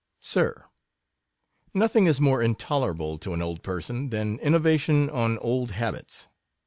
Sir, .Nothing is more intolerable to an old person than innovation on old habits.